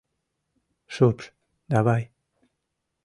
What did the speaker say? — Шупш давай!